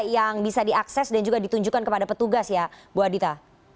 yang bisa diakses dan juga ditunjukkan kepada petugas ya bu adita